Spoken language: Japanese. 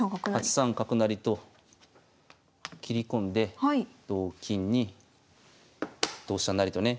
８三角成と切り込んで同金に同飛車成とね。